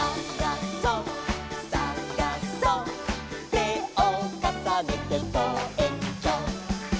「てをかさねてぼうえんきょう」